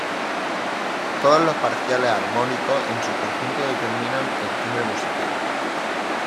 Todos los parciales armónicos, en su conjunto determinan el timbre musical.